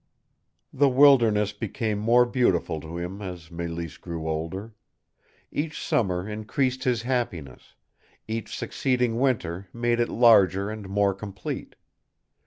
The wilderness became more beautiful to him as Mélisse grew older. Each summer increased his happiness; each succeeding winter made it larger and more complete.